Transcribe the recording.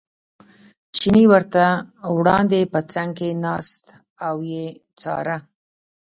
چیني ورته وړاندې په څنګ کې ناست او یې څاره.